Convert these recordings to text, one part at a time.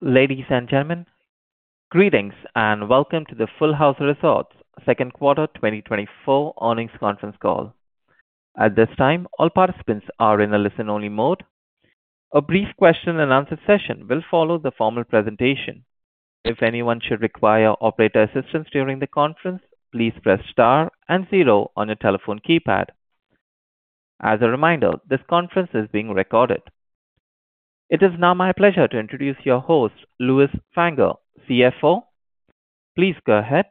Ladies and gentlemen, greetings, and welcome to the Full House Resorts Second Quarter 2024 Earnings Conference Call. At this time, all participants are in a listen-only mode. A brief question-and-answer session will follow the formal presentation. If anyone should require operator assistance during the conference, please press star and zero on your telephone keypad. As a reminder, this conference is being recorded. It is now my pleasure to introduce your host, Lewis Fanger, CFO. Please go ahead.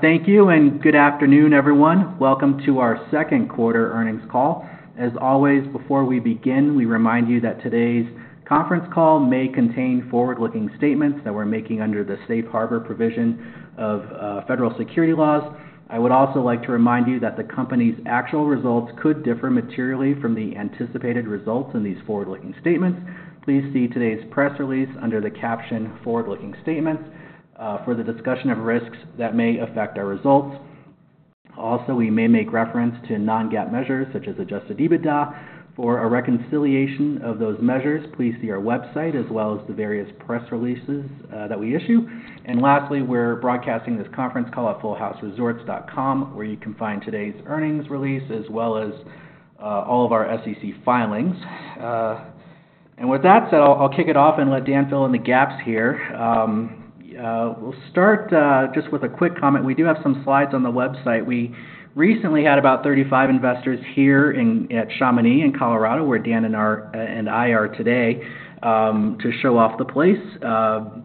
Thank you, and good afternoon, everyone. Welcome to our second quarter earnings call. As always, before we begin, we remind you that today's conference call may contain forward-looking statements that we're making under the safe harbor provision of federal securities laws. I would also like to remind you that the company's actual results could differ materially from the anticipated results in these forward-looking statements. Please see today's press release under the caption Forward-looking Statements for the discussion of risks that may affect our results. Also, we may make reference to non-GAAP measures, such as adjusted EBITDA. For a reconciliation of those measures, please see our website as well as the various press releases that we issue. And lastly, we're broadcasting this conference call at fullhouseresorts.com, where you can find today's earnings release, as well as all of our SEC filings. And with that said, I'll kick it off and let Dan fill in the gaps here. We'll start just with a quick comment. We do have some slides on the website. We recently had about 35 investors here at Chamonix in Colorado, where Dan and I are today, to show off the place.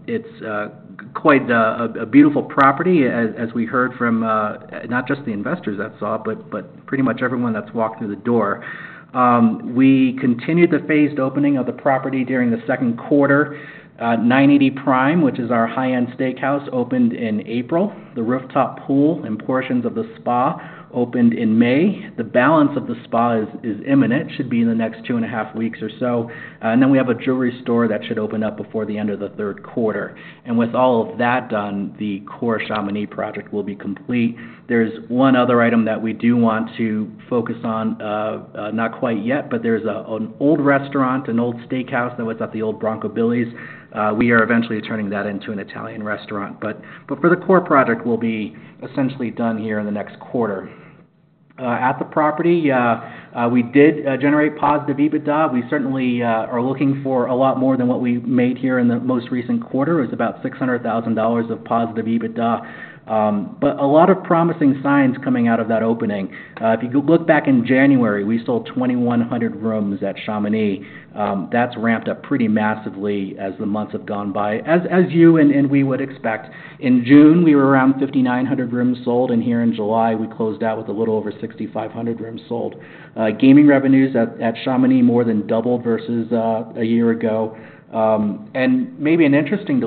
It's quite a beautiful property, as we heard from not just the investors that saw, but pretty much everyone that's walked through the door. We continued the phased opening of the property during the second quarter. 980 Prime, which is our high-end steakhouse, opened in April. The rooftop pool and portions of the spa opened in May. The balance of the spa is imminent, should be in the next 2.5 weeks or so. And then we have a jewelry store that should open up before the end of the third quarter. With all of that done, the core Chamonix project will be complete. There's one other item that we do want to focus on, not quite yet, but there's an old restaurant, an old steakhouse that was at the old Bronco Billy's. We are eventually turning that into an Italian restaurant. But for the core project, we'll be essentially done here in the next quarter. At the property, we did generate positive EBITDA. We certainly are looking for a lot more than what we made here in the most recent quarter. It was about $600,000 of positive EBITDA, but a lot of promising signs coming out of that opening. If you go look back in January, we sold 2,100 rooms at Chamonix. That's ramped up pretty massively as the months have gone by, as you and we would expect. In June, we were around 5,900 rooms sold, and here in July, we closed out with a little over 6,500 rooms sold. Gaming revenues at Chamonix more than doubled versus a year ago. And maybe an interesting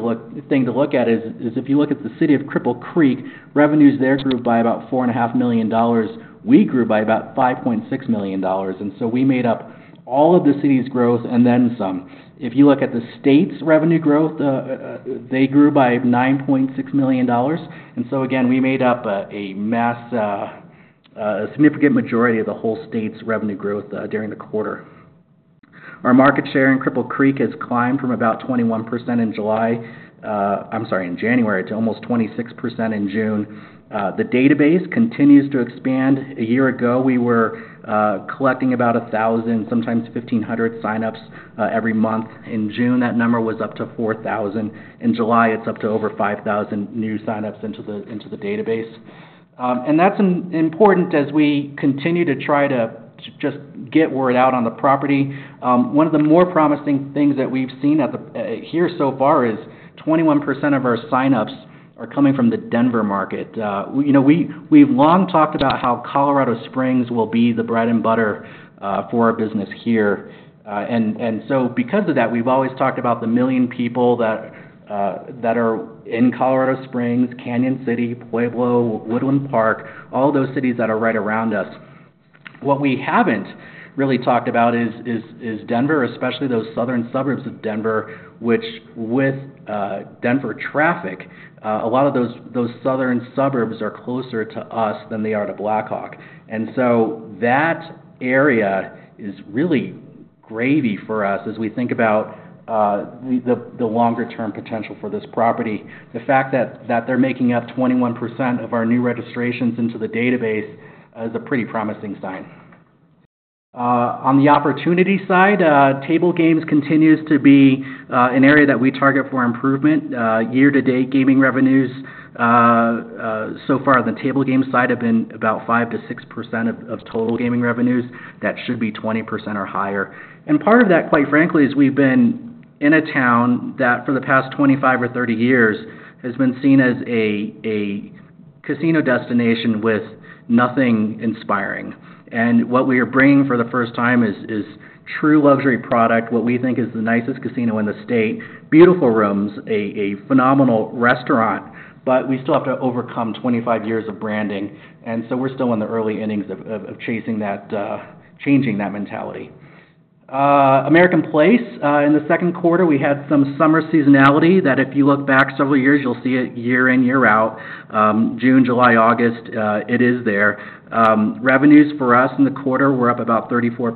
thing to look at is if you look at the city of Cripple Creek, revenues there grew by about $4.5 million. We grew by about $5.6 million, and so we made up all of the city's growth and then some. If you look at the state's revenue growth, they grew by $9.6 million, and so again, we made up a significant majority of the whole state's revenue growth during the quarter. Our market share in Cripple Creek has climbed from about 21% in July, I'm sorry, in January, to almost 26% in June. The database continues to expand. A year ago, we were collecting about 1,000, sometimes 1,500 signups every month. In June, that number was up to 4,000. In July, it's up to over 5,000 new signups into the database. And that's important as we continue to try to just get word out on the property. One of the more promising things that we've seen at the here so far is 21% of our signups are coming from the Denver market. We, you know, we, we've long talked about how Colorado Springs will be the bread and butter for our business here. And so because of that, we've always talked about the 1 million people that that are in Colorado Springs, Cañon City, Pueblo, Woodland Park, all those cities that are right around us. What we haven't really talked about is Denver, especially those southern suburbs of Denver, which with Denver traffic, a lot of those southern suburbs are closer to us than they are to Black Hawk. And so that area is really gravy for us as we think about the longer-term potential for this property. The fact that they're making up 21% of our new registrations into the database is a pretty promising sign. On the opportunity side, table games continues to be an area that we target for improvement. Year-to-date gaming revenues so far on the table game side have been about 5%-6% of total gaming revenues. That should be 20% or higher. And part of that, quite frankly, is we've been in a town that, for the past 25 or 30 years, has been seen as a casino destination with nothing inspiring. What we are bringing for the first time is true luxury product, what we think is the nicest casino in the state, beautiful rooms, a phenomenal restaurant, but we still have to overcome 25 years of branding, and so we're still in the early innings of chasing that, changing that mentality. American Place in the second quarter, we had some summer seasonality, that if you look back several years, you'll see it year in, year out. June, July, August, it is there. Revenues for us in the quarter were up about 34%.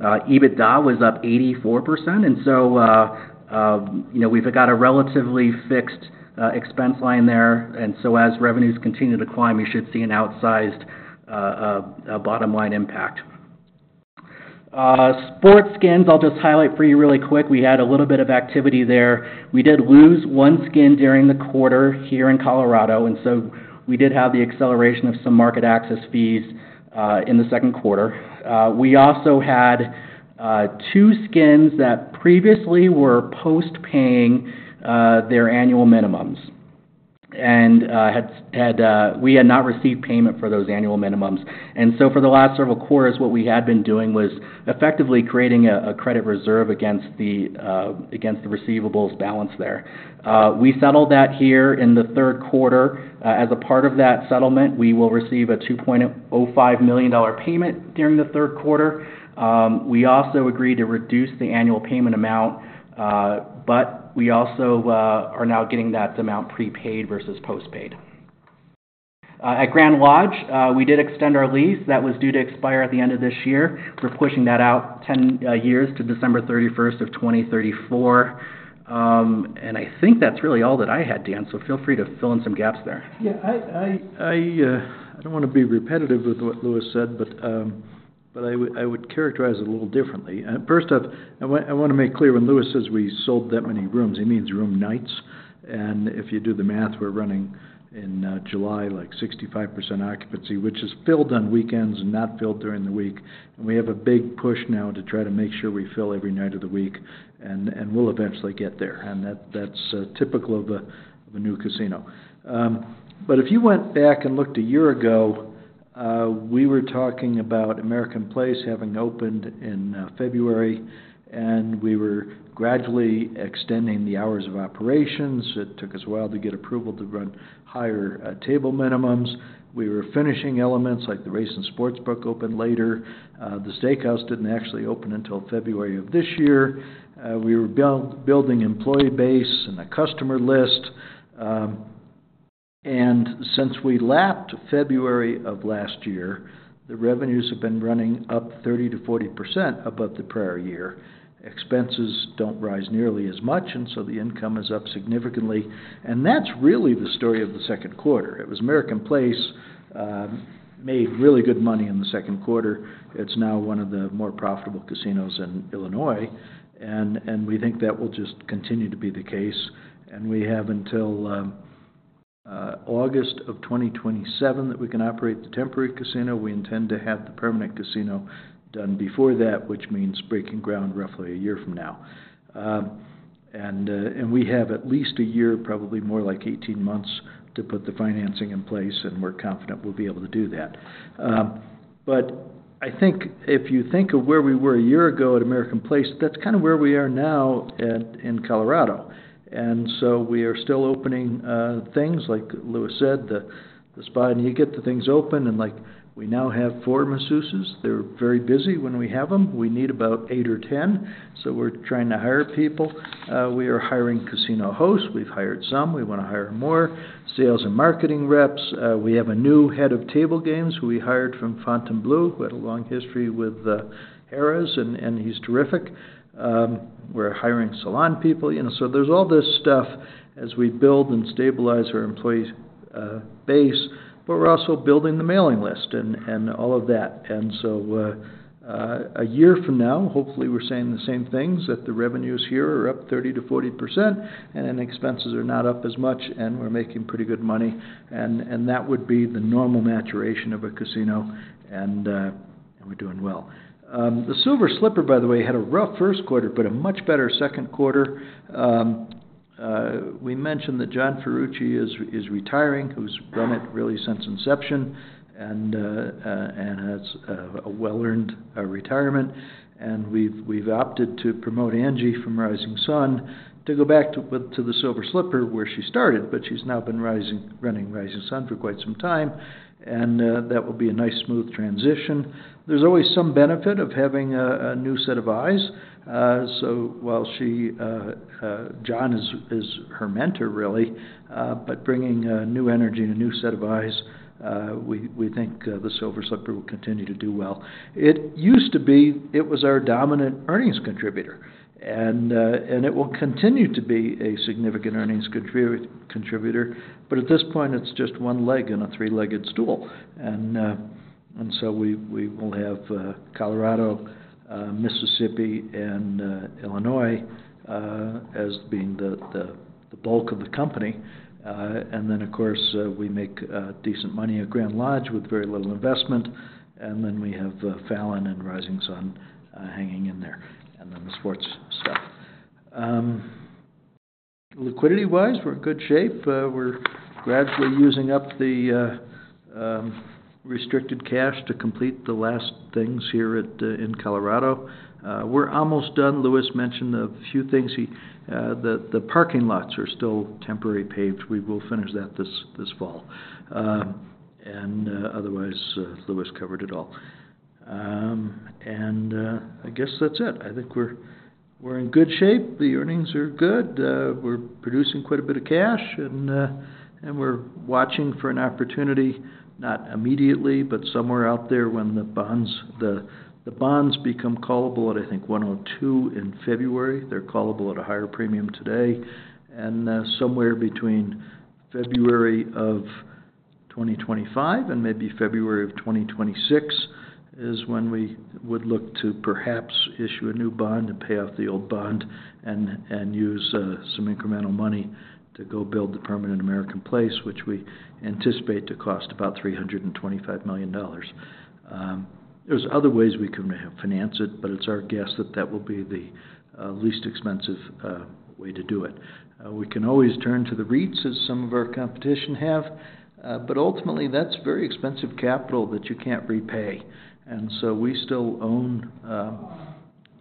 EBITDA was up 84%. And so, you know, we've got a relatively fixed expense line there, and so as revenues continue to climb, you should see an outsized bottom-line impact. Sports skins, I'll just highlight for you really quick. We had a little bit of activity there. We did lose one skin during the quarter here in Colorado, and so we did have the acceleration of some market access fees in the second quarter. We also had two skins that previously were post-paying their annual minimums, and we had not received payment for those annual minimums. And so for the last several quarters, what we had been doing was effectively creating a credit reserve against the receivables balance there. We settled that here in the third quarter. As a part of that settlement, we will receive a $2.05 million payment during the third quarter. We also agreed to reduce the annual payment amount, but we also are now getting that amount prepaid versus postpaid. At Grand Lodge, we did extend our lease. That was due to expire at the end of this year. We're pushing that out 10 years to December 31, 2034. And I think that's really all that I had, Dan, so feel free to fill in some gaps there. Yeah, I don't want to be repetitive with what Lewis said, but, but I would characterize it a little differently. First off, I want to make clear when Lewis says we sold that many rooms, he means room nights. And if you do the math, we're running in July, like 65% occupancy, which is filled on weekends and not filled during the week. And we have a big push now to try to make sure we fill every night of the week, and, and we'll eventually get there. And that's typical of a new casino. But if you went back and looked a year ago, we were talking about American Place having opened in February, and we were gradually extending the hours of operations. It took us a while to get approval to run higher table minimums. We were finishing elements like the race and sports book opened later. The steakhouse didn't actually open until February of this year. We were building employee base and a customer list. And since we lapped February of last year, the revenues have been running up 30%-40% above the prior year. Expenses don't rise nearly as much, and so the income is up significantly. And that's really the story of the second quarter. It was American Place made really good money in the second quarter. It's now one of the more profitable casinos in Illinois, and we think that will just continue to be the case. And we have until August of 2027 that we can operate the temporary casino. We intend to have the permanent casino done before that, which means breaking ground roughly a year from now. And we have at least a year, probably more like 18 months, to put the financing in place, and we're confident we'll be able to do that. But I think if you think of where we were a year ago at American Place, that's kind of where we are now in Colorado. And so we are still opening things, like Lewis said, the spa, and you get the things open. And like, we now have four masseuses. They're very busy when we have them. We need about 8 or 10, so we're trying to hire people. We are hiring casino hosts. We've hired some. We want to hire more sales and marketing reps. We have a new head of table games, who we hired from Fontainebleau, who had a long history with Harrah's, and he's terrific. We're hiring salon people, you know, so there's all this stuff as we build and stabilize our employee base, but we're also building the mailing list and all of that. And so, a year from now, hopefully, we're saying the same things, that the revenues here are up 30%-40%, and then expenses are not up as much, and we're making pretty good money. And that would be the normal maturation of a casino, and we're doing well. The Silver Slipper, by the way, had a rough first quarter, but a much better second quarter. We mentioned that John Ferrucci is retiring, who's run it really since inception, and has a well-earned retirement. We've opted to promote Angie from Rising Sun to go back to the Silver Slipper, where she started, but she's now been running Rising Sun for quite some time, and that will be a nice, smooth transition. There's always some benefit of having a new set of eyes. So while she--John is her mentor, really, but bringing new energy and a new set of eyes, we think the Silver Slipper will continue to do well. It used to be; it was our dominant earnings contributor, and it will continue to be a significant earnings contributor, but at this point, it's just one leg in a three-legged stool. And so we will have Colorado, Mississippi, and Illinois as being the bulk of the company. And then, of course, we make decent money at Grand Lodge with very little investment, and then we have Fallon and Rising Sun hanging in there, and then the sports stuff. Liquidity-wise, we're in good shape. We're gradually using up the restricted cash to complete the last things here in Colorado. We're almost done. Lewis mentioned a few things. He, the parking lots are still temporarily paved. We will finish that this fall. And, otherwise, Lewis covered it all. And, I guess that's it. I think we're in good shape. The earnings are good. We're producing quite a bit of cash, and we're watching for an opportunity, not immediately, but somewhere out there when the bonds, the bonds become callable at, I think, 102 in February. They're callable at a higher premium today. And, somewhere between February of 2025 and maybe February of 2026, is when we would look to perhaps issue a new bond and pay off the old bond, and use some incremental money to go build the permanent American Place, which we anticipate to cost about $325 million. There's other ways we can finance it, but it's our guess that that will be the least expensive way to do it. We can always turn to the REITs, as some of our competition have, but ultimately, that's very expensive capital that you can't repay. And so we still own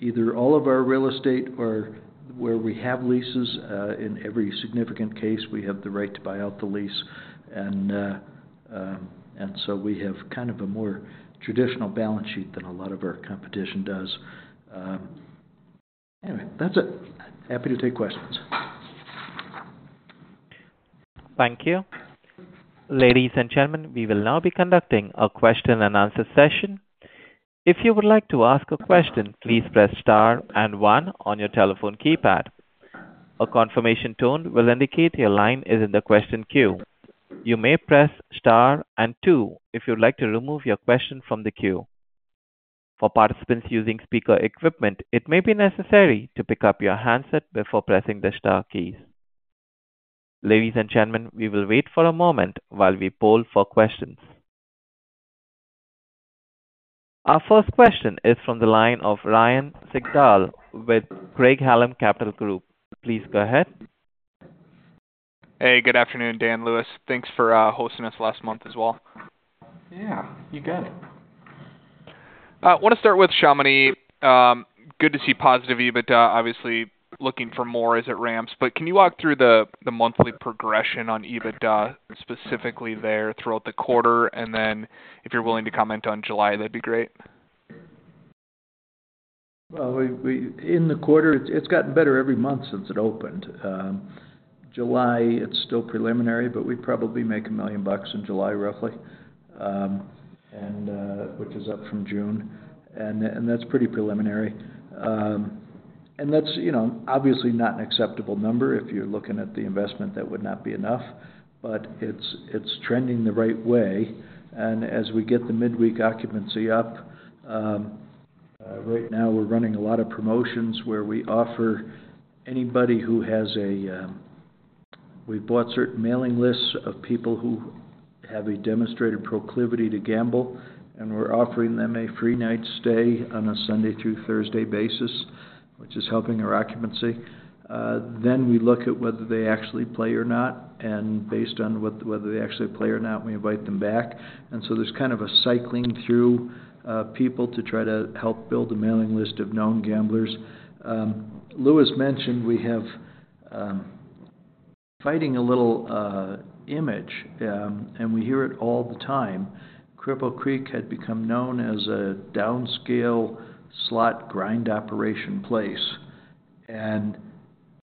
either all of our real estate or where we have leases, in every significant case, we have the right to buy out the lease. And so we have kind of a more traditional balance sheet than a lot of our competition does. Anyway, that's it. Happy to take questions. Thank you. Ladies and gentlemen, we will now be conducting a question-and-answer session. If you would like to ask a question, please press Star and One on your telephone keypad. A confirmation tone will indicate your line is in the question queue. You may press Star and Two if you'd like to remove your question from the queue. For participants using speaker equipment, it may be necessary to pick up your handset before pressing the star key. Ladies and gentlemen, we will wait for a moment while we poll for questions. Our first question is from the line of Ryan Sigdahl with Craig-Hallum Capital Group. Please go ahead. Hey, good afternoon, Dan, Lewis. Thanks for hosting us last month as well. Yeah, you got it. I want to start with Chamonix. Good to see positive EBITDA, obviously looking for more as it ramps. But can you walk through the monthly progression on EBITDA, specifically there throughout the quarter? And then if you're willing to comment on July, that'd be great. Well, in the quarter, it's gotten better every month since it opened. July, it's still preliminary, but we probably make $1 million in July, roughly. Which is up from June, and that's pretty preliminary. You know, obviously not an acceptable number. If you're looking at the investment, that would not be enough, but it's trending the right way. And as we get the midweek occupancy up, right now, we're running a lot of promotions where we offer anybody, we've bought certain mailing lists of people who have a demonstrated proclivity to gamble, and we're offering them a free night stay on a Sunday through Thursday basis, which is helping our occupancy. Then we look at whether they actually play or not, and based on whether they actually play or not, we invite them back. And so there's kind of a cycling through people to try to help build a mailing list of known gamblers. Lewis mentioned we have fighting a little image, and we hear it all the time. Cripple Creek had become known as a downscale slot grind operation place, and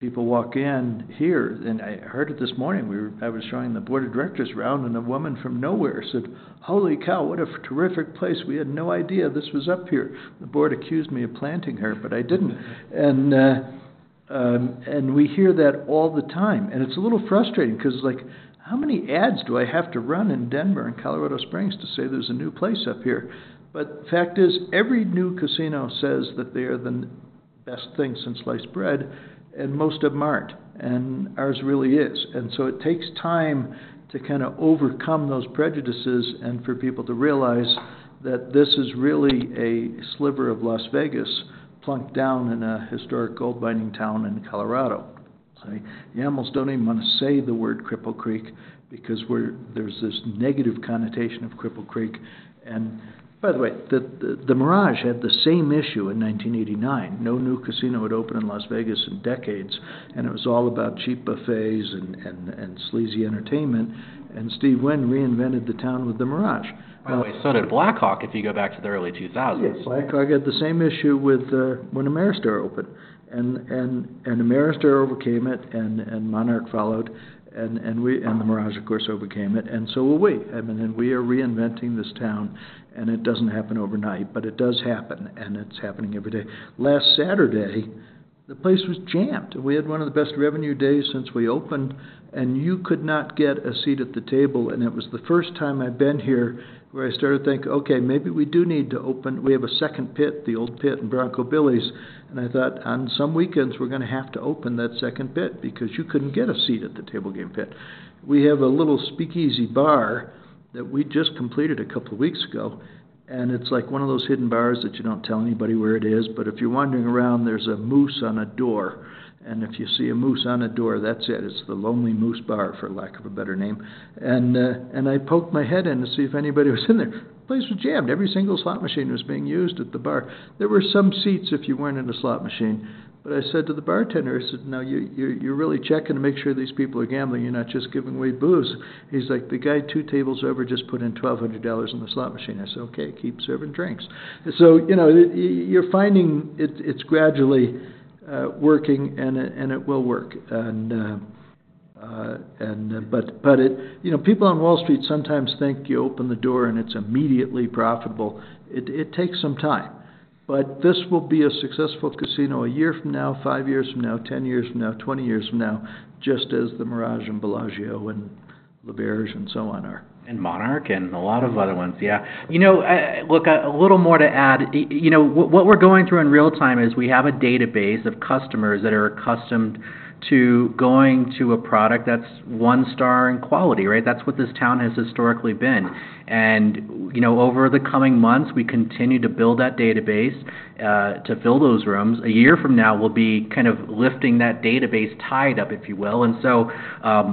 people walk in here, and I heard it this morning. I was showing the board of directors around, and a woman from nowhere said, "Holy cow, what a terrific place! We had no idea this was up here." The board accused me of planting her, but I didn't. We hear that all the time, and it's a little frustrating because, like, how many ads do I have to run in Denver and Colorado Springs to say there's a new place up here? But the fact is, every new casino says that they are the best thing since sliced bread, and most of them aren't. And ours really is. And so it takes time to kinda overcome those prejudices and for people to realize that this is really a sliver of Las Vegas, plunked down in a historic gold mining town in Colorado. So yeah, you almost don't even want to say the word Cripple Creek because, there's this negative connotation of Cripple Creek. And by the way, the The Mirage had the same issue in 1989. No new casino had opened in Las Vegas in decades, and it was all about cheap buffets and sleazy entertainment. Steve Wynn reinvented the town with The Mirage. By the way, so did Black Hawk, if you go back to the early 2000s. Yeah, Black Hawk had the same issue with when Ameristar opened. And Ameristar overcame it, and Monarch followed, and we and The Mirage, of course, overcame it, and so will we. I mean, and we are reinventing this town, and it doesn't happen overnight, but it does happen, and it's happening every day. Last Saturday, the place was jammed. We had one of the best revenue days since we opened, and you could not get a seat at the table. And it was the first time I've been here where I started to think, "Okay, maybe we do need to open..." We have a second pit, the old pit in Bronco Billy's, and I thought, on some weekends, we're going to have to open that second pit because you couldn't get a seat at the table game pit. We have a little speakeasy bar that we just completed a couple of weeks ago, and it's like one of those hidden bars that you don't tell anybody where it is, but if you're wandering around, there's a moose on a door. And if you see a moose on a door, that's it. It's the Lonely Moose Bar, for lack of a better name. And I poked my head in to see if anybody was in there. The place was jammed. Every single slot machine was being used at the bar. There were some seats if you weren't in a slot machine. But I said to the bartender, I said, "Now you, you, you're really checking to make sure these people are gambling. You're not just giving away booze." He's like, "The guy two tables over just put in $1,200 in the slot machine." I said, "Okay, keep serving drinks." And so, you know, you're finding it's, it's gradually working, and it will work. But, you know, people on Wall Street sometimes think you open the door, and it's immediately profitable. It takes some time, but this will be a successful casino a year from now, five years from now, 10 years from now, 20 years from now, just as The Mirage and Bellagio and L'Auberge and so on are. And Monarch and a lot of other ones, yeah. You know, look, a little more to add, you, you know, what we're going through in real time is we have a database of customers that are accustomed to going to a product that's one star in quality, right? That's what this town has historically been. And, you know, over the coming months, we continue to build that database, to fill those rooms. A year from now, we'll be kind of lifting that database tied up, if you will. And so,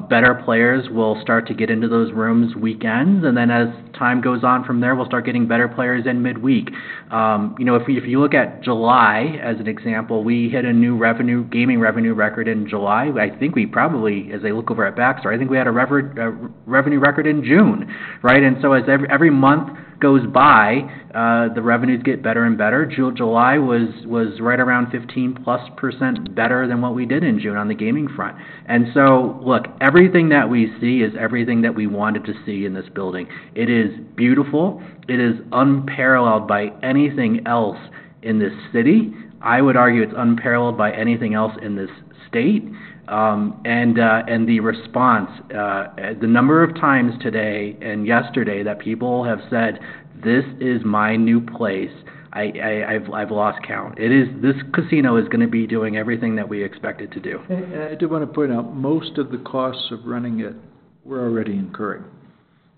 better players will start to get into those rooms weekends, and then as time goes on from there, we'll start getting better players in midweek. You know, if you, if you look at July as an example, we hit a new revenue, gaming revenue record in July. I think we probably, as I look over at backstory, I think we had a revenue record in June, right? And so as every month goes by, the revenues get better and better. July was right around 15% better than what we did in June on the gaming front. And so, look, everything that we see is everything that we wanted to see in this building. It is beautiful. It is unparalleled by anything else in this city. I would argue it's unparalleled by anything else in this state. And the response, the number of times today and yesterday that people have said, "This is my new place," I've lost count. It is.--this casino is gonna be doing everything that we expect it to do. I do want to point out, most of the costs of running it we're already incurring.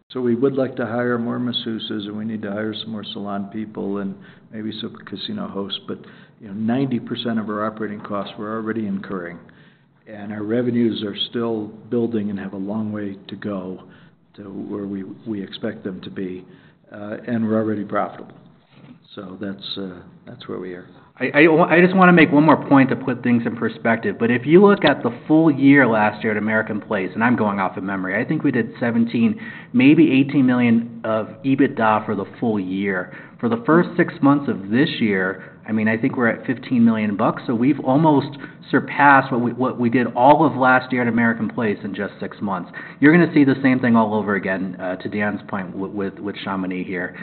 So we would like to hire more masseuses, and we need to hire some more salon people and maybe some casino hosts. But, you know, 90% of our operating costs we're already incurring, and our revenues are still building and have a long way to go to where we expect them to be, and we're already profitable. So that's where we are. I just wanna make one more point to put things in perspective, but if you look at the full year last year at American Place, and I'm going off of memory, I think we did $17 million, maybe $18 million of EBITDA for the full year. For the first 6 months of this year, I mean, I think we're at $15 million bucks, so we've almost surpassed what we did all of last year at American Place in just six months. You're gonna see the same thing all over again, to Dan's point, with Chamonix here.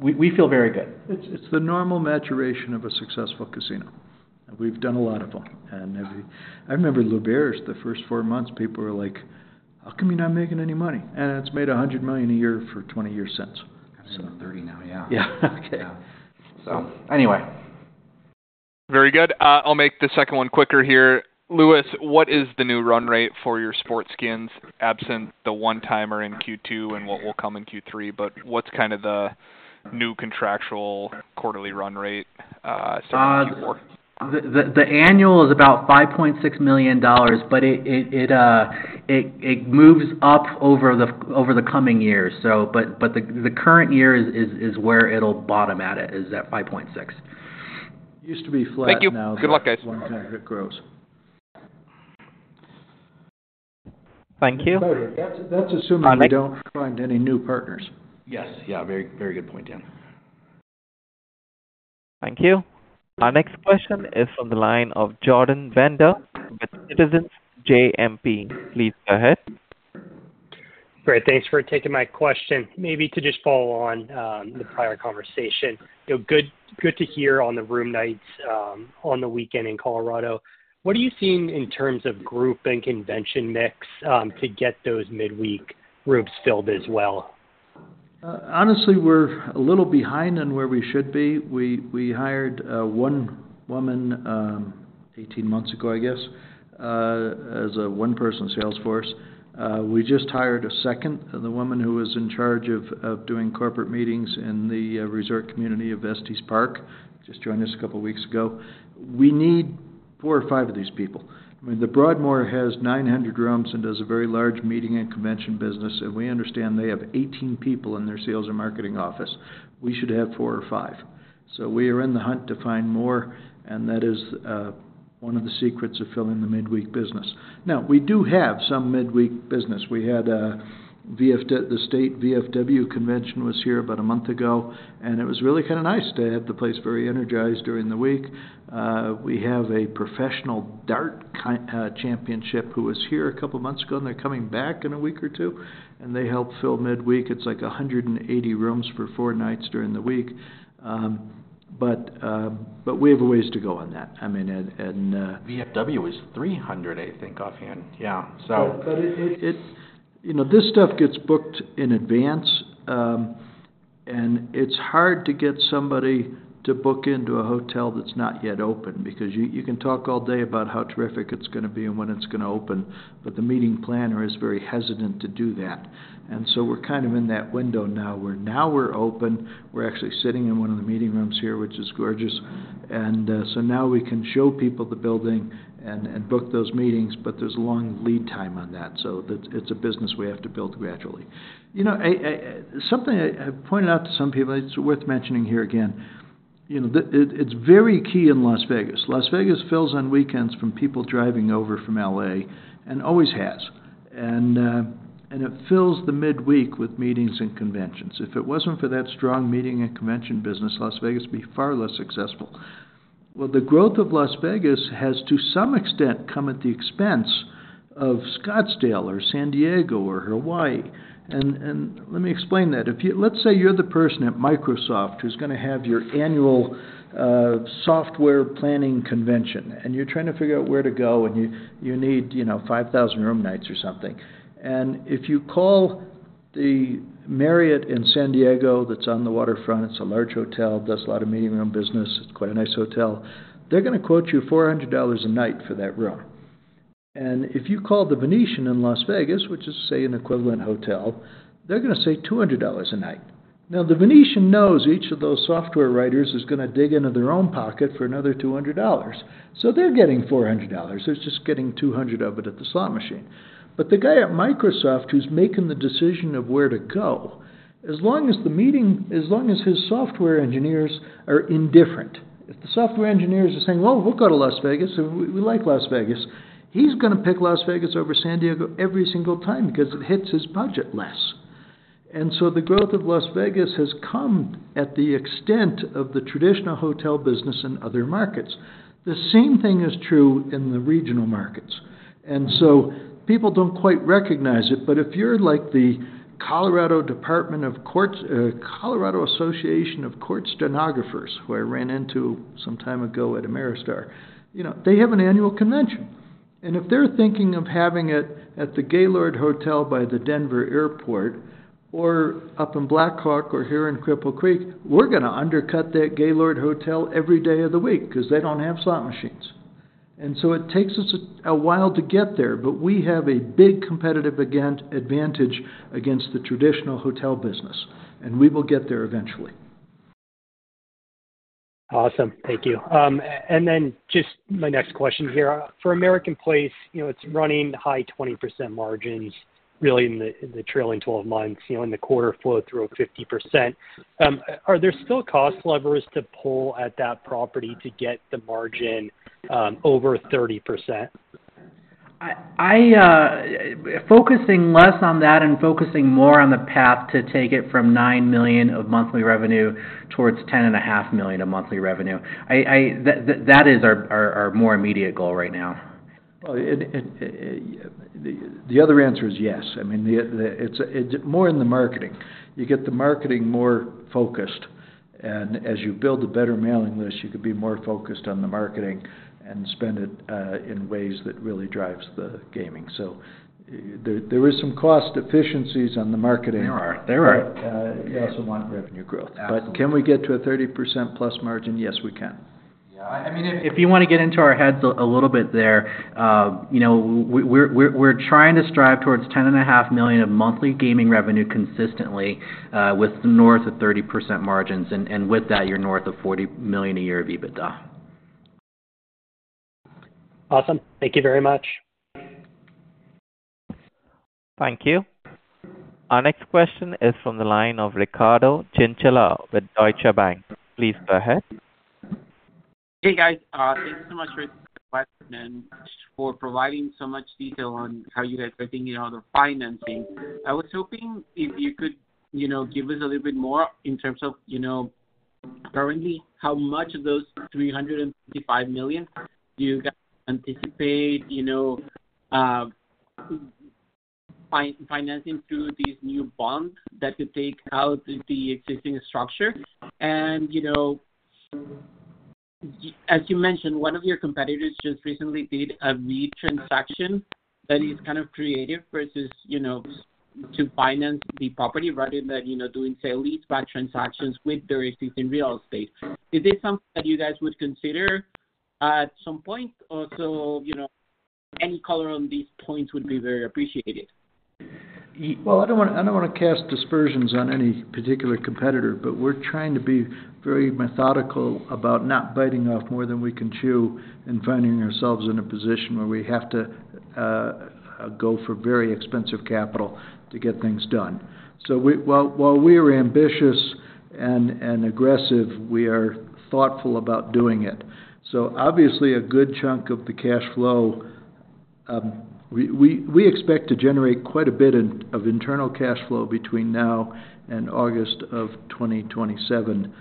We feel very good. It's the normal maturation of a successful casino. We've done a lot of them, and I remember L'Auberge, the first four months, people were like: "How come you're not making any money?" And it's made $100 million a year for 20 years since. 30 now, yeah. Yeah, okay. So anyway. Very good. I'll make the second one quicker here. Lewis, what is the new run rate for your sports skins, absent the one-timer in Q2 and what will come in Q3? But what's kind of the new contractual quarterly run rate, starting Q4? The annual is about $5.6 million, but it moves up over the coming years, but the current year is where it'll bottom at $5.6 million. Thank you. Good luck, guys. It grows. Thank you. That's assuming we don't find any new partners. Yes. Yeah, very, very good point, Dan. Thank you. Our next question is from the line of Jordan Bender with Citizens JMP. Please go ahead. Great. Thanks for taking my question. Maybe to just follow on the prior conversation. You know, good, good to hear on the room nights on the weekend in Colorado. What are you seeing in terms of group and convention mix to get those midweek groups filled as well? Honestly, we're a little behind on where we should be. We hired one woman 18 months ago, I guess, as a one-person sales force. We just hired a second, the woman who was in charge of doing corporate meetings in the resort community of Estes Park, just joined us a couple weeks ago. We need four or five of these people. I mean, The Broadmoor has 900 rooms and does a very large meeting and convention business, and we understand they have 18 people in their sales and marketing office. We should have four or five. So we are in the hunt to find more, and that is one of the secrets of filling the midweek business. Now, we do have some midweek business. We had VFW, the state VFW convention was here about a month ago, and it was really kind of nice to have the place very energized during the week. We have a professional darts championship, who was here a couple of months ago, and they're coming back in a week or two, and they help fill midweek. It's like 180 rooms for four nights during the week. But we have a ways to go on that. I mean. VFW is 300, I think, offhand. Yeah, so-- You know, this stuff gets booked in advance, and it's hard to get somebody to book into a hotel that's not yet open. Because you can talk all day about how terrific it's gonna be and when it's gonna open, but the meeting planner is very hesitant to do that. And so we're kind of in that window now, where now we're open, we're actually sitting in one of the meeting rooms here, which is gorgeous. And so now we can show people the building and book those meetings, but there's a long lead time on that. So that's -- it's a business we have to build gradually. You know, something I pointed out to some people, and it's worth mentioning here again, you know, it's very key in Las Vegas. Las Vegas fills on weekends from people driving over from L.A., and always has. And it fills the midweek with meetings and conventions. If it wasn't for that strong meeting and convention business, Las Vegas would be far less successful. Well, the growth of Las Vegas has, to some extent, come at the expense of Scottsdale or San Diego or Hawaii. And let me explain that. If you, let's say you're the person at Microsoft who's gonna have your annual software planning convention, and you're trying to figure out where to go, and you need, you know, 5,000 room nights or something. And if you call the Marriott in San Diego, that's on the waterfront, it's a large hotel, does a lot of meeting room business. It's quite a nice hotel. They're gonna quote you $400 a night for that room. If you call the Venetian in Las Vegas, which is, say, an equivalent hotel, they're gonna say $200 a night. Now, the Venetian knows each of those software writers is gonna dig into their own pocket for another $200, so they're getting $400. They're just getting $200 of it at the slot machine. But the guy at Microsoft who's making the decision of where to go, as long as his software engineers are indifferent, if the software engineers are saying, "Well, we'll go to Las Vegas, and we, we like Las Vegas," he's gonna pick Las Vegas over San Diego every single time because it hits his budget less. So the growth of Las Vegas has come at the expense of the traditional hotel business in other markets. The same thing is true in the regional markets, and so people don't quite recognize it. But if you're like the Colorado Department of Courts, Colorado Association of Court Stenographers, who I ran into some time ago at Ameristar, you know, they have an annual convention, and if they're thinking of having it at the Gaylord Hotel by the Denver Airport or up in Black Hawk or here in Cripple Creek, we're gonna undercut that Gaylord hotel every day of the week 'cause they don't have slot machines. And so it takes us a while to get there, but we have a big competitive advantage against the traditional hotel business, and we will get there eventually. Awesome. Thank you. And then just my next question here. For American Place, you know, it's running high 20% margins really in the trailing twelve months, you know, in the quarter flow through 50%. Are there still cost levers to pull at that property to get the margin over 30%? Focusing less on that and focusing more on the path to take it from $9 million of monthly revenue towards $10.5 million of monthly revenue. That is our more immediate goal right now. Well, the other answer is yes. I mean, it's more in the marketing. You get the marketing more focused, and as you build a better mailing list, you can be more focused on the marketing and spend it in ways that really drives the gaming. So there is some cost efficiencies on the marketing-- There are. You also want revenue growth. Absolutely. But can we get to a +30% margin? Yes, we can. Yeah. I mean, if you want to get into our heads a little bit there, you know, we're trying to strive towards $10.5 million of monthly gaming revenue consistently, with north of 30% margins, and with that, you're north of $40 million a year of EBITDA. Awesome. Thank you very much. Thank you. Our next question is from the line of Ricardo Chinchilla with Deutsche Bank. Please go ahead. Hey, guys, thank you so much for the question and for providing so much detail on how you guys are thinking about the financing. I was hoping if you could, you know, give us a little bit more in terms of, you know, currently, how much of those $355 million do you guys anticipate, you know, financing through these new bonds that could take out the existing structure? And, you know, as you mentioned, one of your competitors just recently did a refi transaction that is kind of creative versus, you know, to finance the property rather than, you know, doing, say, leaseback transactions with the existing real estate. Is this something that you guys would consider at some point? Also, you know, any color on these points would be very appreciated. Well, I don't want, I don't want to cast dispersions on any particular competitor, but we're trying to be very methodical about not biting off more than we can chew and finding ourselves in a position where we have to go for very expensive capital to get things done. While we are ambitious and aggressive, we are thoughtful about doing it. So obviously, a good chunk of the cash flow, we expect to generate quite a bit of internal cash flow between now and August of 2027.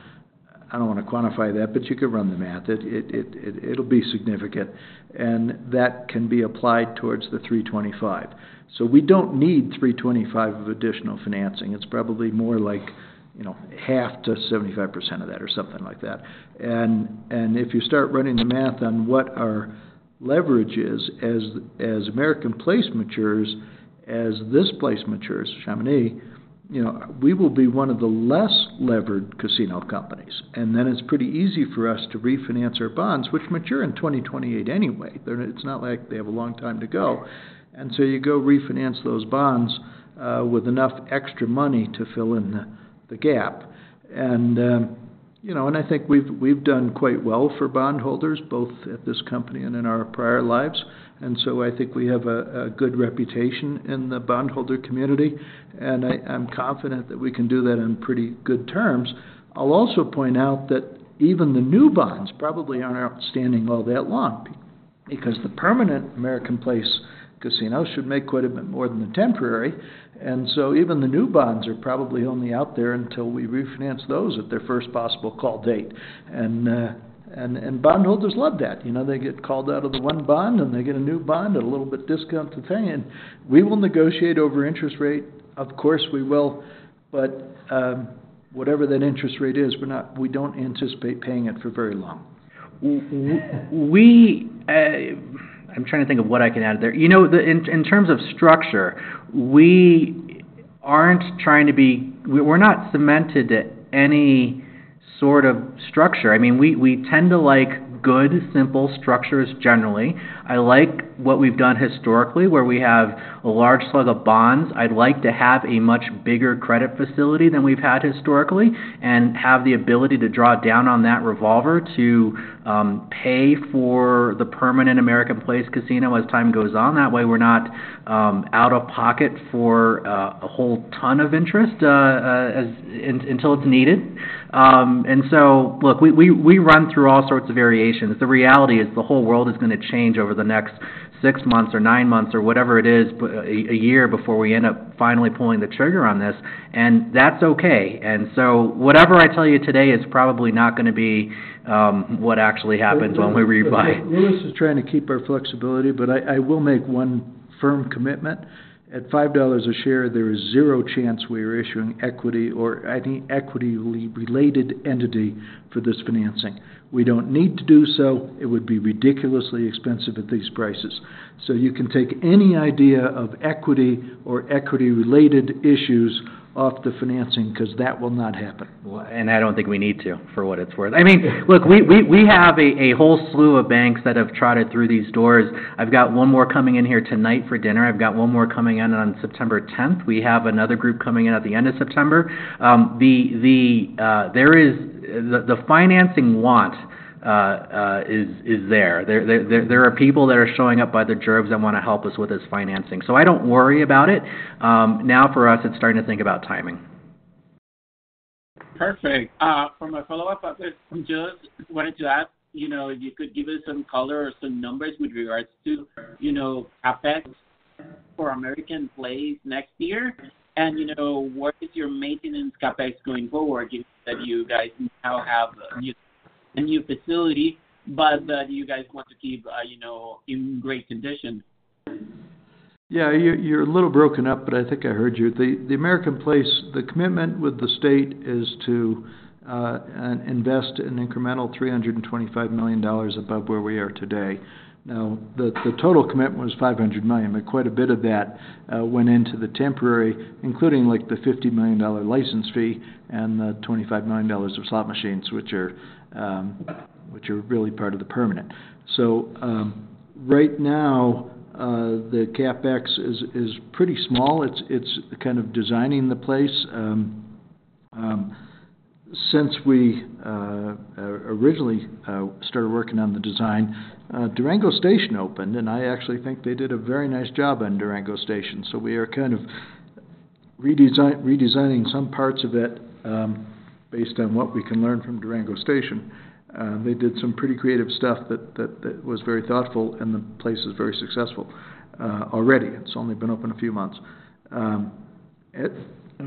I don't want to quantify that, but you could run the math. It'll be significant, and that can be applied towards the $325 million. So we don't need $325 million of additional financing. It's probably more like, you know, 50%-75% of that or something like that. If you start running the math on what our leverage is, as American Place matures, as this place matures, Chamonix, you know, we will be one of the less levered casino companies, and then it's pretty easy for us to refinance our bonds, which mature in 2028 anyway. They're, it's not like they have a long time to go. And so you go refinance those bonds, with enough extra money to fill in the gap. And, you know, and I think we've done quite well for bondholders, both at this company and in our prior lives, and so I think we have a good reputation in the bondholder community, and I'm confident that we can do that in pretty good terms. I'll also point out that even the new bonds probably aren't outstanding all that long. Because the permanent American Place Casino should make quite a bit more than the temporary, and so even the new bonds are probably only out there until we refinance those at their first possible call date. And bondholders love that. You know, they get called out of the one bond, and they get a new bond at a little bit discounted thing. And we will negotiate over interest rate. Of course, we will. But whatever that interest rate is, we're not we don't anticipate paying it for very long. I'm trying to think of what I can add there. You know, in terms of structure, we aren't trying to be—we're not cemented to any sort of structure. I mean, we tend to like good, simple structures, generally. I like what we've done historically, where we have a large slug of bonds. I'd like to have a much bigger credit facility than we've had historically and have the ability to draw down on that revolver to pay for the permanent American Place casino as time goes on. That way, we're not out of pocket for a whole ton of interest until it's needed. And so, look, we run through all sorts of variations. The reality is the whole world is gonna change over the next six months or nine months or whatever it is, but a year before we end up finally pulling the trigger on this, and that's okay. And so whatever I tell you today is probably not gonna be what actually happens when we rebuy. Lewis is trying to keep our flexibility, but I will make one firm commitment. At $5 a share, there is zero chance we are issuing equity or any equity-related entity for this financing. We don't need to do so. It would be ridiculously expensive at these prices. So you can take any idea of equity or equity-related issues off the financing, 'cause that will not happen. Well, I don't think we need to, for what it's worth. I mean, look, we have a whole slew of banks that have trotted through these doors. I've got one more coming in here tonight for dinner. I've got one more coming in on September 10. We have another group coming in at the end of September. The financing is there. There are people that are showing up by the droves and wanna help us with this financing, so I don't worry about it. Now, for us, it's starting to think about timing. Perfect. For my follow-up, I just wanted to ask, you know, if you could give us some color or some numbers with regards to, you know, CapEx for American Place next year, and, you know, what is your maintenance CapEx going forward, if that you guys now have a new facility, but that you guys want to keep, you know, in great condition? Yeah, you're a little broken up, but I think I heard you. The American Place, the commitment with the state is to invest an incremental $325 million above where we are today. Now, the total commitment was $500 million, but quite a bit of that went into the temporary, including, like, the $50 million license fee and the $25 million of slot machines, which are really part of the permanent. So, right now, the CapEx is pretty small. It's kind of designing the place. Since we originally started working on the design, Durango Station opened, and I actually think they did a very nice job on Durango Station. So we are kind of redesigning some parts of it, based on what we can learn from Durango Station. They did some pretty creative stuff that was very thoughtful, and the place is very successful already. It's only been open a few months.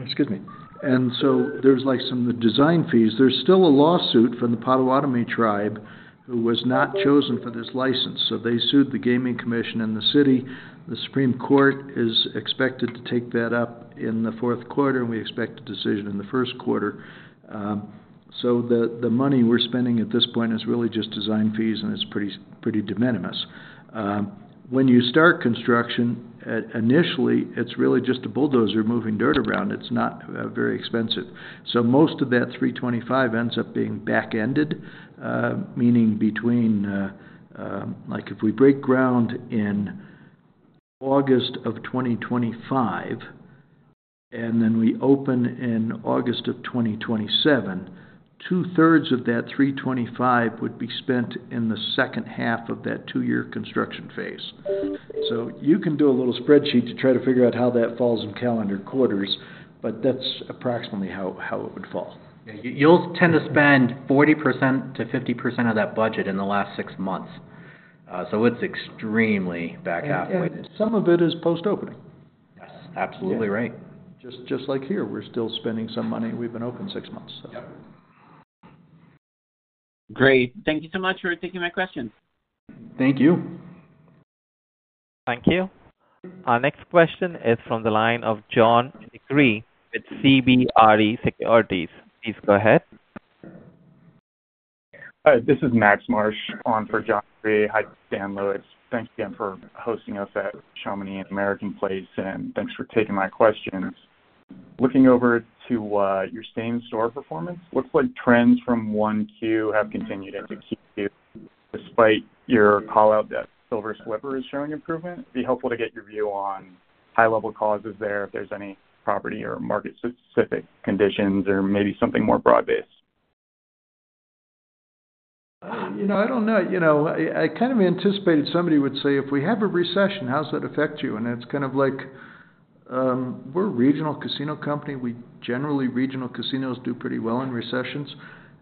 Excuse me. And so there's, like, some of the design fees. There's still a lawsuit from the Potawatomi tribe, who was not chosen for this license, so they sued the gaming commission and the city. The Supreme Court is expected to take that up in the fourth quarter, and we expect a decision in the first quarter. So the money we're spending at this point is really just design fees, and it's pretty de minimis. When you start construction, initially, it's really just a bulldozer moving dirt around. It's not very expensive. So most of that $325 ends up being back-ended, meaning between, like, if we break ground in August of 2025, and then we open in August of 2027, 2/3 of that $325 would be spent in the second half of that two-year construction phase. So you can do a little spreadsheet to try to figure out how that falls in calendar quarters, but that's approximately how it would fall. You'll tend to spend 40%-50% of that budget in the last six months. So it's extremely back-half weighted. Some of it is post-opening. Yes, absolutely right. Just, just like here, we're still spending some money. We've been open six months, so. Yep. Great. Thank you so much for taking my questions. Thank you. Thank you. Our next question is from the line of John DeCree with CBRE Securities. Please go ahead. This is Max Marsh on for John DeCree. Hi, Dan, Lewis. Thanks again for hosting us at Chamonix American Place, and thanks for taking my questions. Looking over to your same-store performance, looks like trends from 1Q have continued into 2Q, despite your call-out that Silver Slipper is showing improvement. It'd be helpful to get your view on high-level causes there, if there's any property or market-specific conditions or maybe something more broad-based. You know, I don't know. You know, I kind of anticipated somebody would say, "If we have a recession, how does that affect you?" And it's kind of like. We're a regional casino company. Generally, regional casinos do pretty well in recessions.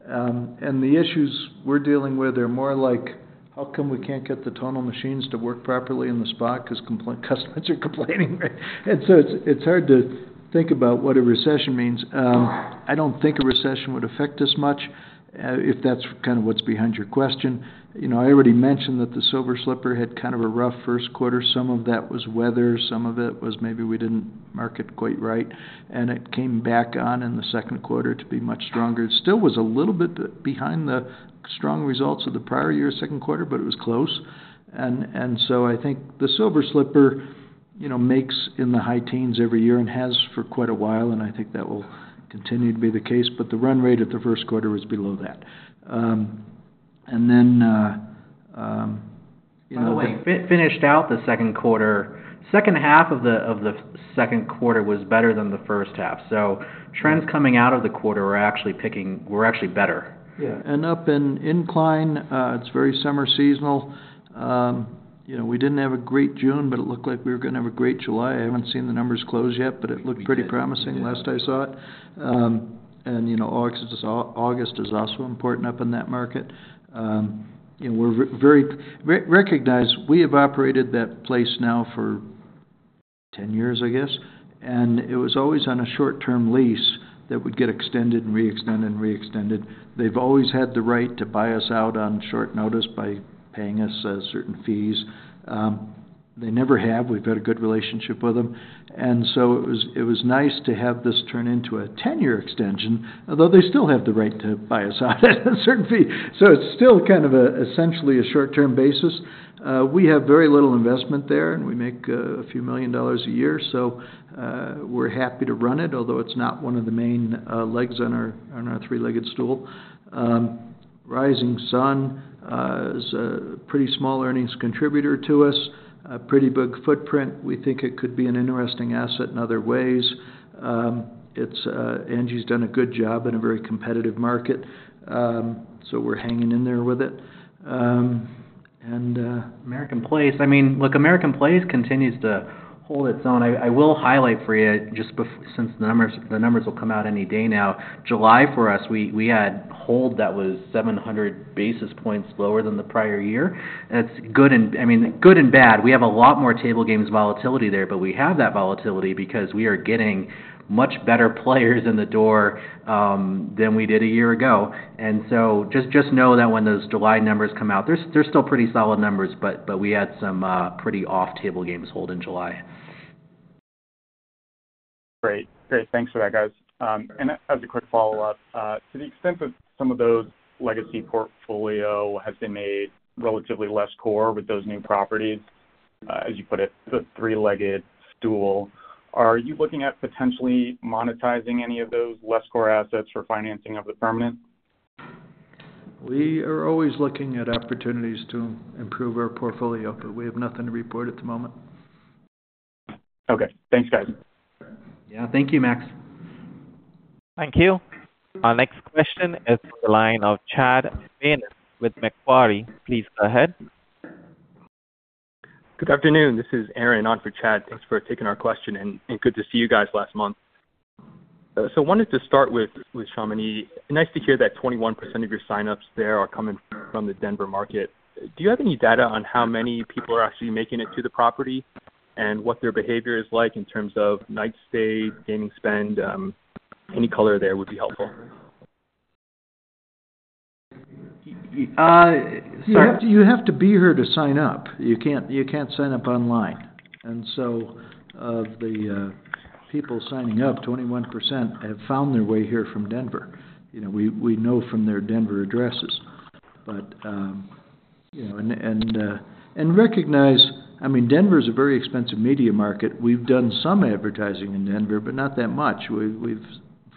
And the issues we're dealing with are more like, how come we can't get the slot machines to work properly in the sports book 'cause customers are complaining? And so it's, it's hard to think about what a recession means. I don't think a recession would affect us much, if that's kind of what's behind your question. You know, I already mentioned that the Silver Slipper had kind of a rough first quarter. Some of that was weather, some of it was maybe we didn't market quite right, and it came back on in the second quarter to be much stronger. It still was a little bit behind the strong results of the prior year's second quarter, but it was close. And so I think the Silver Slipper, you know, makes in the high-teens every year and has for quite a while, and I think that will continue to be the case. But the run rate at the first quarter was below that. And then, you know-- By the way, we finished out the second half of the second quarter was better than the first half. So trends coming out of the quarter were actually picking. Were actually better. Yeah. And up in Incline, it's very summer seasonal. You know, we didn't have a great June, but it looked like we were gonna have a great July. I haven't seen the numbers close yet, but it looked pretty promising last I saw it. And, you know, August is, August is also important up in that market. And we recognize we have operated that place now for 10 years, I guess, and it was always on a short-term lease that would get extended and reextended and reextended. They've always had the right to buy us out on short notice by paying us certain fees. They never have. We've had a good relationship with them. And so it was, it was nice to have this turn into a 10-year extension, although they still have the right to buy us out at a certain fee. So it's still kind of, essentially a short-term basis. We have very little investment there, and we make a few million dollars a year, so we're happy to run it, although it's not one of the main legs on our three-legged stool. Rising Sun is a pretty small earnings contributor to us, a pretty big footprint. We think it could be an interesting asset in other ways. It's Angie's done a good job in a very competitive market, so we're hanging in there with it. And-- American Place, I mean, look, American Place continues to hold its own. I will highlight for you just since the numbers, the numbers will come out any day now. July, for us, we had hold that was 700 basis points lower than the prior year. That's good and, I mean, good and bad. We have a lot more table games volatility there, but we have that volatility because we are getting much better players in the door than we did a year ago. And so just know that when those July numbers come out, they're still pretty solid numbers, but we had some pretty off table games hold in July. Great. Thanks for that, guys. And as a quick follow-up, to the extent that some of those legacy portfolio has been made relatively less core with those new properties, as you put it, the three-legged stool, are you looking at potentially monetizing any of those less core assets for financing of the permanent? We are always looking at opportunities to improve our portfolio, but we have nothing to report at the moment. Okay, thanks, guys. Yeah. Thank you, Max. Thank you. Our next question is from the line of Chad Beynon with Macquarie. Please go ahead. Good afternoon. This is Aaron, on for Chad. Thanks for taking our question, and good to see you guys last month. So wanted to start with Chamonix. Nice to hear that 21% of your signups there are coming from the Denver market. Do you have any data on how many people are actually making it to the property and what their behavior is like in terms of night stay, gaming spend? Any color there would be helpful. You have to, you have to be here to sign up. You can't, you can't sign up online. And so of the people signing up, 21% have found their way here from Denver. You know, we, we know from their Denver addresses. But, you know, and recognize, I mean, Denver is a very expensive media market. We've done some advertising in Denver, but not that much. We've, we've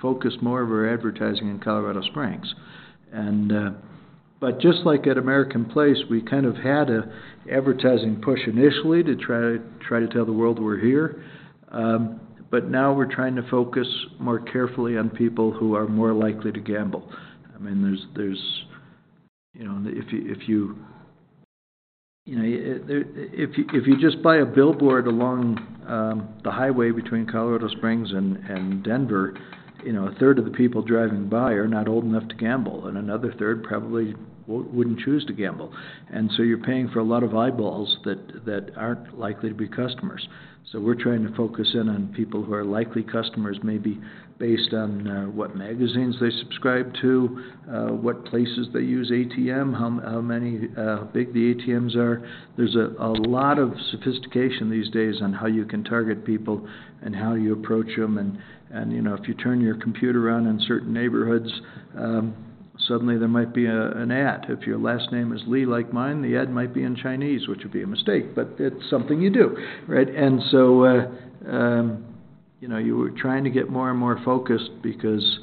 focused more of our advertising in Colorado Springs. And, but just like at American Place, we kind of had an advertising push initially to try, try to tell the world we're here, but now we're trying to focus more carefully on people who are more likely to gamble. I mean, there's, you know, if you, if you just buy a billboard along the highway between Colorado Springs and Denver, you know, a third of the people driving by are not old enough to gamble, and another third probably wouldn't choose to gamble. And so you're paying for a lot of eyeballs that aren't likely to be customers. So we're trying to focus in on people who are likely customers, maybe based on what magazines they subscribe to, what places they use ATM, how many, how big the ATMs are. There's a lot of sophistication these days on how you can target people and how you approach them. And you know, if you turn your computer on in certain neighborhoods, suddenly there might be an ad. If your last name is Lee, like mine, the ad might be in Chinese, which would be a mistake, but it's something you do, right? And so, you know, you were trying to get more and more focused because.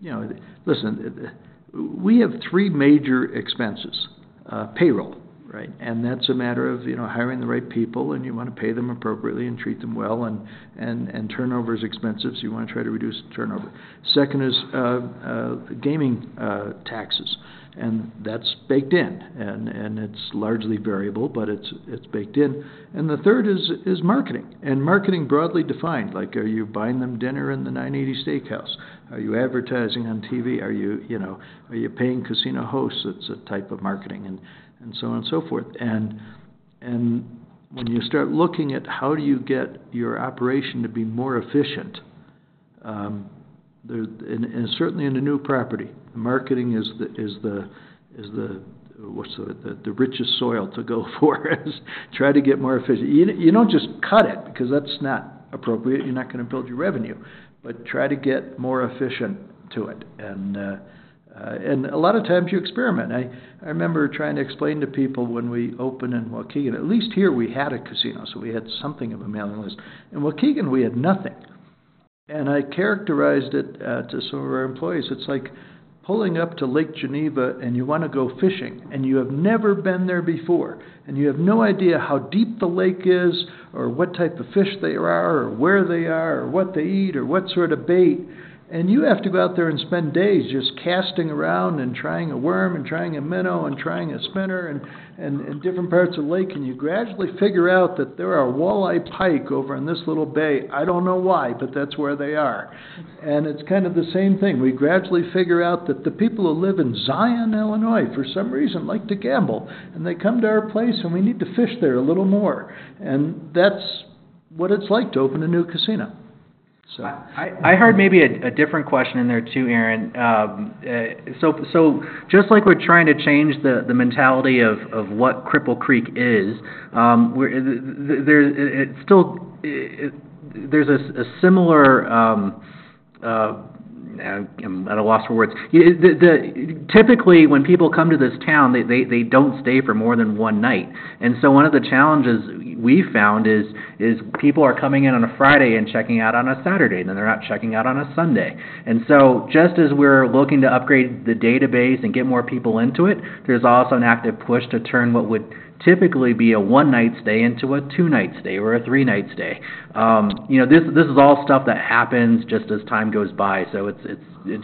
You know, listen, we have three major expenses. Payroll, right? And that's a matter of, you know, hiring the right people, and you want to pay them appropriately and treat them well, and turnover is expensive, so you want to try to reduce turnover. Second is gaming taxes, and that's baked in, and it's largely variable, but it's baked in. And the third is marketing, and marketing broadly defined. Like, are you buying them dinner in the 980 Steakhouse? Are you advertising on TV? Are you, you know, are you paying casino hosts? It's a type of marketing and so on and so forth. And when you start looking at how do you get your operation to be more efficient, and certainly in the new property, marketing is the, what's the, the richest soil to go for as try to get more efficient. You don't just cut it because that's not appropriate. You're not going to build your revenue, but try to get more efficient to it. And a lot of times you experiment. I remember trying to explain to people when we opened in Waukegan, at least here we had a casino, so we had something of a mailing list. In Waukegan, we had nothing. And I characterized it to some of our employees; it's like pulling up to Lake Geneva, and you want to go fishing, and you have never been there before, and you have no idea how deep the lake is or what type of fish there are, or where they are, or what they eat, or what sort of bait. And you have to go out there and spend days just casting around and trying a worm and trying a minnow and trying a spinner and in different parts of the lake. And you gradually figure out that there are walleye pike over in this little bay. I don't know why, but that's where they are. And it's kind of the same thing. We gradually figure out that the people who live in Zion, Illinois, for some reason, like to gamble, and they come to our place, and we need to fish there a little more. And that's what it's like to open a new casino. So-- I heard maybe a different question in there, too, Aaron. So just like we're trying to change the mentality of what Cripple Creek is, we're—there's a similar--I'm at a loss for words. Typically, when people come to this town, they don't stay for more than one night. And so one of the challenges we found is people are coming in on a Friday and checking out on a Saturday, then they're not checking out on a Sunday. And so just as we're looking to upgrade the database and get more people into it, there's also an active push to turn what would typically be a one-night stay into a two-night stay or a three-night stay. You know, this is all stuff that happens just as time goes by, so it's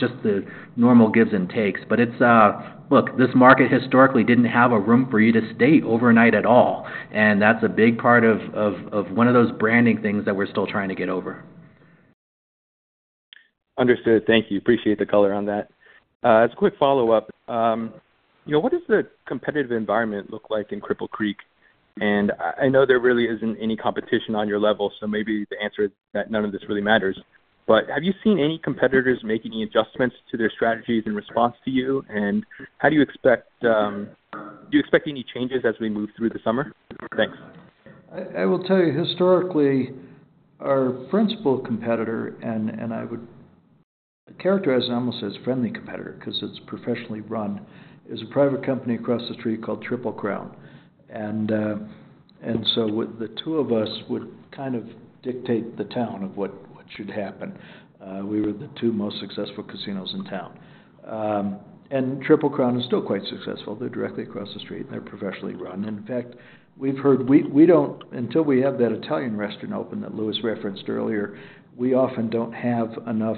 just the normal gives and takes. But look, this market historically didn't have a room for you to stay overnight at all, and that's a big part of one of those branding things that we're still trying to get over. Understood. Thank you. Appreciate the color on that. As a quick follow-up, you know, what does the competitive environment look like in Cripple Creek? And I know there really isn't any competition on your level, so maybe the answer is that none of this really matters. But have you seen any competitors making any adjustments to their strategies in response to you? And how do you expect any changes as we move through the summer? Thanks. I will tell you, historically, our principal competitor, and I would characterize it almost as friendly competitor 'cause it's professionally run, is a private company across the street called Triple Crown. And so what the two of us would kind of dictate the town of what should happen. We were the two most successful casinos in town. And Triple Crown is still quite successful. They're directly across the street, and they're professionally run. In fact, until we have that Italian restaurant open, that Lewis referenced earlier, we often don't have enough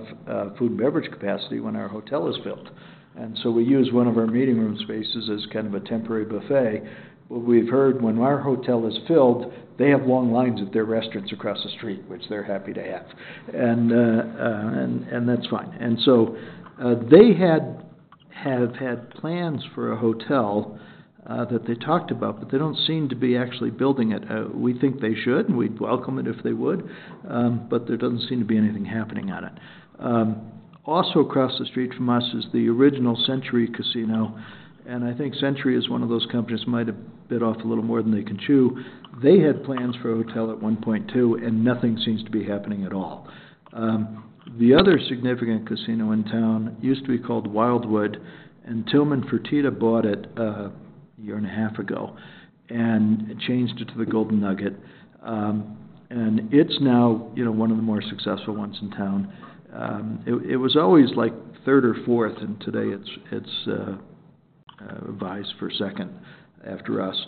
food and beverage capacity when our hotel is filled, and so we use one of our meeting room spaces as kind of a temporary buffet. What we've heard, when our hotel is filled, they have long lines at their restaurants across the street, which they're happy to have. And that's fine. And so, they have had plans for a hotel that they talked about, but they don't seem to be actually building it. We think they should, and we'd welcome it if they would, but there doesn't seem to be anything happening on it. Also across the street from us is the original Century Casino, and I think Century is one of those companies might have bit off a little more than they can chew. They had plans for a hotel at one point, too, and nothing seems to be happening at all. The other significant casino in town used to be called Wildwood, and Tilman Fertitta bought it a year and a half ago and changed it to the Golden Nugget. And it's now, you know, one of the more successful ones in town. It was always, like, third or fourth, and today it's vies for second after us.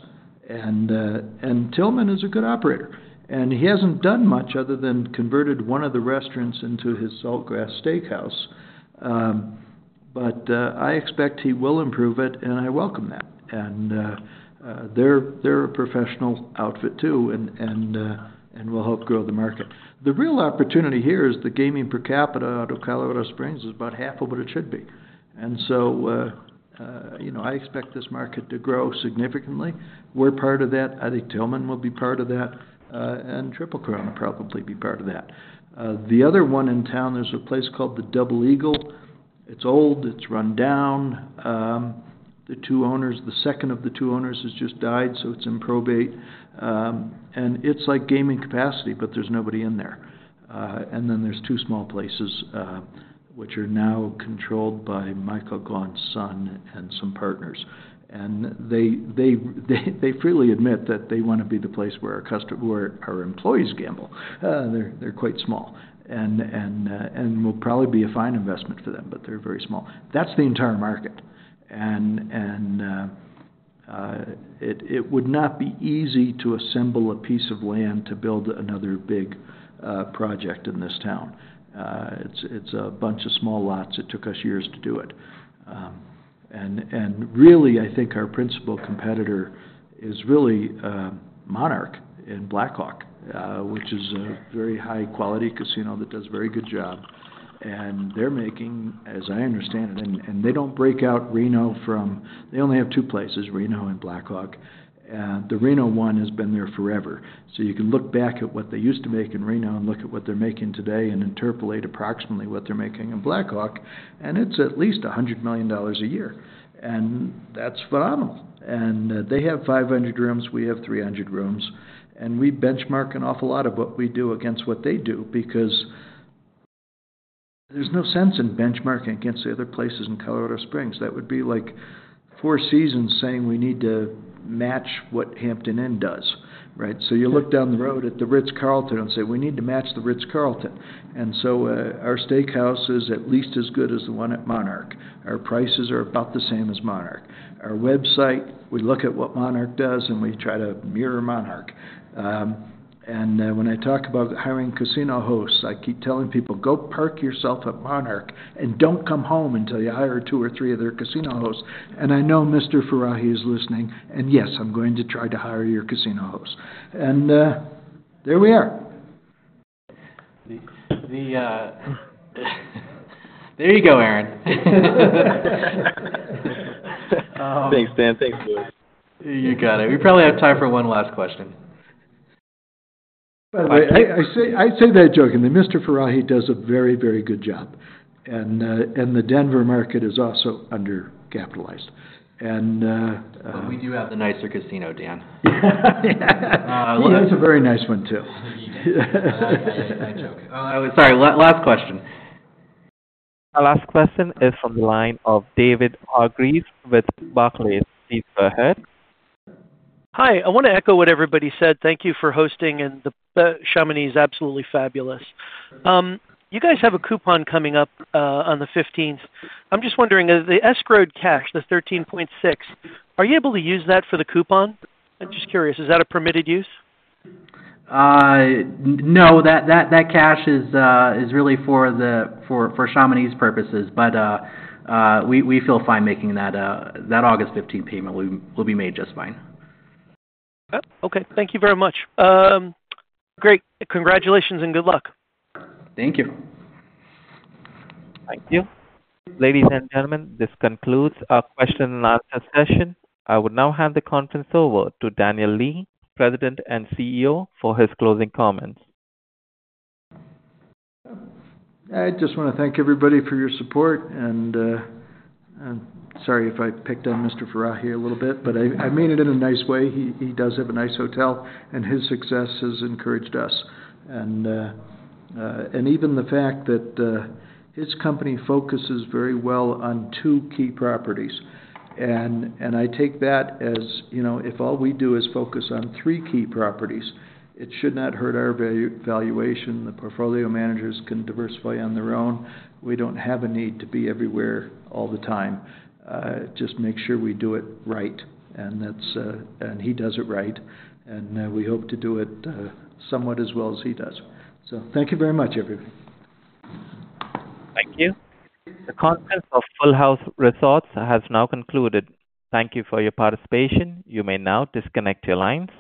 And Tilman is a good operator, and he hasn't done much other than converted one of the restaurants into his Saltgrass Steak House. But I expect he will improve it, and I welcome that. And they're a professional outfit, too, and will help grow the market. The real opportunity here is the gaming per capita out of Colorado Springs is about half of what it should be. And so, you know, I expect this market to grow significantly. We're part of that. I think Tilman will be part of that, and Triple Crown will probably be part of that. The other one in town, there's a place called the Double Eagle. It's old. It's run down. The two owners, the second of the two owners, has just died, so it's in probate. It's like gaming capacity, but there's nobody in there. Then there's two small places, which are now controlled by Michael Gaughan and some partners. They freely admit that they want to be the place where our customer—where our employees gamble. They're quite small and will probably be a fine investment for them, but they're very small. That's the entire market. It would not be easy to assemble a piece of land to build another big project in this town. It's a bunch of small lots. It took us years to do it. And really, I think our principal competitor is really Monarch in Black Hawk, which is a very high quality casino that does a very good job. And they're making, as I understand it, and they don't break out Reno from--they only have two places, Reno and Black Hawk. And the Reno one has been there forever. So you can look back at what they used to make in Reno and look at what they're making today, and interpolate approximately what they're making in Black Hawk, and it's at least $100 million a year. And that's phenomenal. They have 500 rooms, we have 300 rooms, and we benchmark an awful lot of what we do against what they do, because there's no sense in benchmarking against the other places in Colorado Springs. That would be like Four Seasons saying we need to match what Hampton Inn does, right? So you look down the road at the Ritz-Carlton and say, "We need to match the Ritz-Carlton." And so, our steakhouse is at least as good as the one at Monarch. Our prices are about the same as Monarch. Our website, we look at what Monarch does, and we try to mirror Monarch. When I talk about hiring casino hosts, I keep telling people, "Go park yourself at Monarch and don't come home until you hire two or three of their casino hosts." And I know Mr. Farahi is listening, and yes, I'm going to try to hire your casino host. And, there we are. There you go, Aaron. Thanks, Dan. Thanks, Lewis. You got it. We probably have time for one last question. By the way, I say that joking, that Mr. Farahi does a very, very good job, and the Denver market is also undercapitalized. But we do have the nicer casino, Dan. Well, that's a very nice one, too. I'm joking. Sorry, last question. Our last question is from the line of David Hargreaves with Barclays. Please go ahead. Hi. I wanna echo what everybody said. Thank you for hosting, and the Chamonix is absolutely fabulous. You guys have a coupon coming up on the 15th. I'm just wondering, the escrowed cash, the $13.6, are you able to use that for the coupon? I'm just curious, is that a permitted use? No, that cash is really for Chamonix's purposes. But, we feel fine making that August 15 payment will be made just fine. Oh, okay. Thank you very much. Great. Congratulations and good luck. Thank you. Thank you. Ladies and gentlemen, this concludes our question and answer session. I would now hand the conference over to Daniel Lee, President and CEO, for his closing comments. I just wanna thank everybody for your support, and I'm sorry if I picked on Mr. Farahi a little bit, but I mean it in a nice way. He does have a nice hotel, and his success has encouraged us. And even the fact that his company focuses very well on two key properties. And I take that as, you know, if all we do is focus on three key properties, it should not hurt our valuation. The portfolio managers can diversify on their own. We don't have a need to be everywhere all the time. Just make sure we do it right, and that's--and he does it right. And we hope to do it somewhat as well as he does. So thank you very much, everybody. Thank you. The conference of Full House Resorts has now concluded. Thank you for your participation. You may now disconnect your lines.